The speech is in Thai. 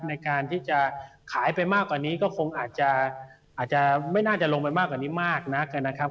ในการที่จะขายไปมากกว่านี้ก็คงอาจจะไม่น่าจะลงไปมากกว่านี้มากนักนะครับ